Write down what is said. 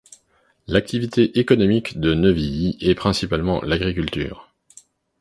L'activité économique de Neuvilly est principalement l'agriculture.